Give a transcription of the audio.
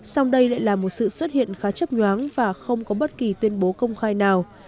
song đây lại là một sự xuất hiện khá chấp nhoáng và không có bất kỳ tuyên bố công khai nào